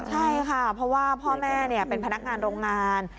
ใช่ค่ะเพราะว่าพ่อแม่เป็นพนักงานโรงงาน